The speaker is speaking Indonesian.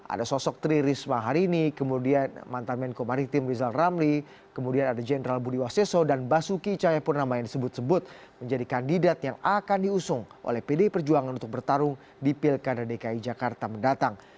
ada sosok tri risma hari ini kemudian mantan menko maritim rizal ramli kemudian ada jenderal budi waseso dan basuki cahayapurnama yang disebut sebut menjadi kandidat yang akan diusung oleh pdi perjuangan untuk bertarung di pilkada dki jakarta mendatang